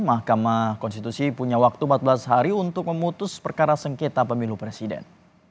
mahkamah konstitusi punya waktu empat belas hari untuk memutus perkara sengketa pemilu presiden